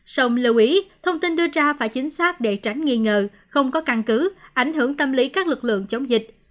song lưu ý thông tin đưa ra phải chính xác để tránh nghi ngờ không có căn cứ ảnh hưởng tâm lý các lực lượng chống dịch